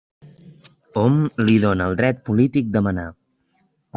Hom li dóna el dret polític de manar.